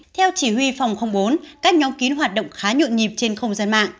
theo chỉ huy phòng bốn các nhóm kín hoạt động khá nhuộn nhịp trên không gian mạng